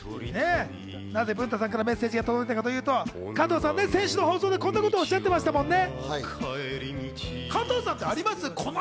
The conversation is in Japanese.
なぜ文太さんからメッセージが届いたかというと加藤さん、先週の放送でこんなことおっしゃってましたもんね。